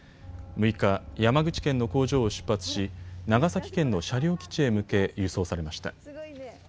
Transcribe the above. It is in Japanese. ６日、山口県の工場を出発し長崎県の車両基地へ向け輸送されました。